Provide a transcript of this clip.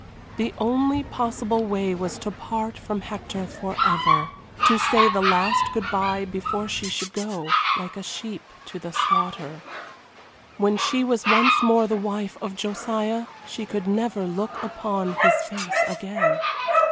The only possible way was to part from Hector forever to say the last good bye before she should go, like a sheep, to the slaughter. When she was once more the wife of Josiah she could never look upon his face again.